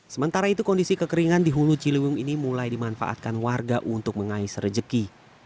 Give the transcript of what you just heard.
sementara itu kondisi kekeringan di hulu ciliwung ini mulai dimanfaatkan warga untuk mengais rejeki